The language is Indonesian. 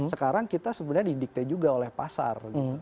sekarang kita sebenarnya didikte juga oleh pasar